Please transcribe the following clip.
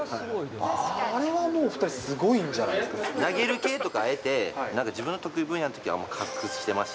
あれはもう、お２人、すごいんじ投げる系とか、あえて自分の得意分野のときはあえて隠してました。